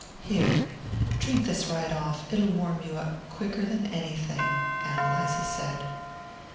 "Here, drink this right off it'll warm you up quicker than anything," Ann Eliza said.